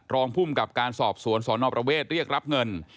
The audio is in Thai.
รองภูมิกับการสอบสวนสนประเวทเรียกรับเงิน